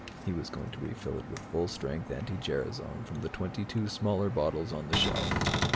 He was going to refill it with full strength anti gerasone from the 22 smaller bottles on the shelf.